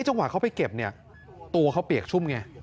จังหวะเขาไปเก็บเนี่ยตัวเขาเปียกชุ่มไง